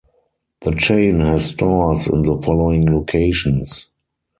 The chain has stores in the following locations.